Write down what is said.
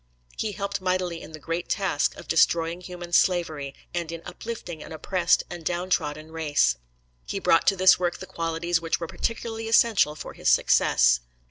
He helped mightily in the great task of destroying human slavery, and in uplifting an oppressed and down trodden race. He brought to this work the qualities which were particularly essential for his success.